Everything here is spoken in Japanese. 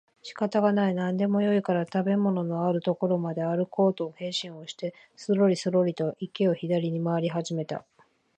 仕方がない、何でもよいから食物のある所まであるこうと決心をしてそろりそろりと池を左に廻り始めた